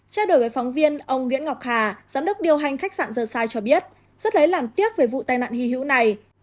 trao đổi với phóng viên ông nguyễn ngọc hà giám đốc điều hành khách sạn sơ sai cho biết rất lấy làm tiếc về vụ tai nạn hy hữu này